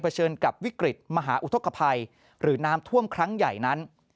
เชิญกับวิกฤตมหาอุทธกภัยหรือน้ำท่วมครั้งใหญ่นั้น